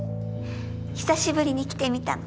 久しぶりに着てみたの。